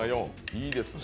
いいですね。